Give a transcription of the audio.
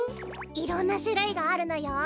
いろんなしゅるいがあるのよ。